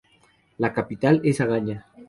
La capital es Agaña.